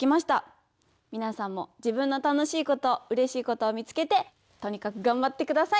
みなさんも自分の楽しいことうれしいことを見つけてとにかくがんばってください！